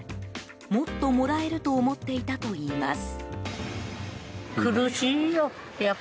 もっともらえると思っていたといいます。